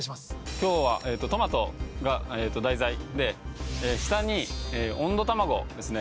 今日はトマトが題材で下に温度卵ですね